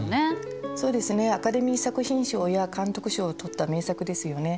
そうですねアカデミー作品賞や監督賞を取った名作ですよね。